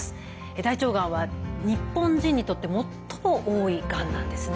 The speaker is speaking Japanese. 大腸がんは日本人にとって最も多いがんなんですね。